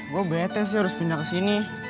gue bete sih harus pindah kesini